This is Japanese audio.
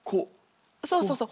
そうそうそう。